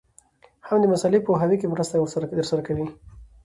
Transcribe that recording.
هم د مسألې په پوهاوي کي مرسته درسره کوي.